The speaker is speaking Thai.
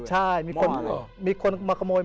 ใช่มีคนมาขโมยหม้อ